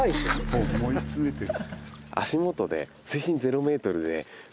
もう思い詰めてる？